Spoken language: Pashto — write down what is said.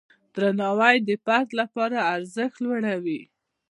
درناوی د فرد لپاره د ارزښت لوړوي.